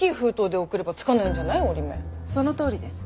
そのとおりです。